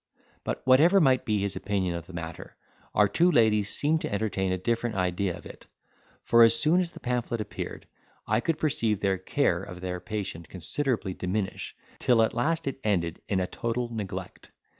But whatever might be his opinion of the matter, our two ladies seemed to entertain a different idea of it: for as soon as the pamphlet appeared, I could perceive their care of their patient considerably diminish, till at last it ended in a total neglect.